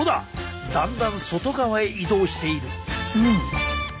だんだん外側へ移動している。